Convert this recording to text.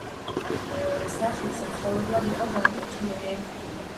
მეორე სახლი საცხოვრებლად იყო განკუთვნილი.